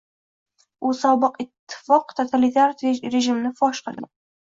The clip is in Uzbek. U sobiq ittifoq totalitar rejimini fosh qilgan